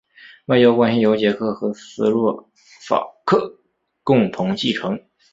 外交关系由捷克和斯洛伐克共同继承。